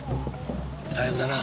大役だな。